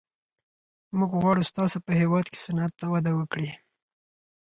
موږ غواړو ستاسو په هېواد کې صنعت وده وکړي